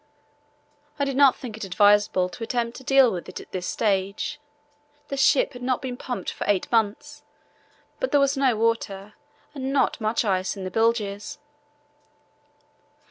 I did not think it advisable to attempt to deal with it at that stage. The ship had not been pumped for eight months, but there was no water and not much ice in the bilges.